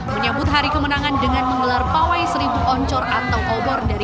menyambut hari kemenangan dengan menggelar pawai seribu oncor atau obor dari